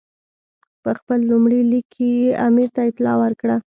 په خپل لومړي لیک کې یې امیر ته اطلاع ورکړه.